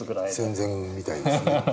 戦前みたいですね。